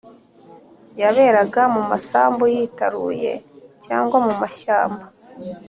yaberaga mu masambu yitaruye cyangwa mu mashyamba